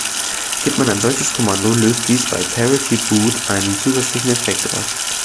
Gibt man ein solches Kommando, löst dies bei Parity Boot einen zusätzlichen Effekt aus.